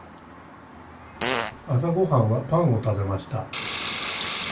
朝ごはんはパンを食べました。